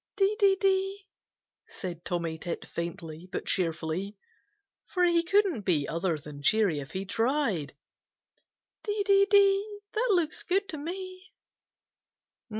"Dee, dee, dee!" said Tommy Tit faintly but cheerfully, for he couldn't be other than cheery if he tried. "Dee, dee, dee! That looks good to me."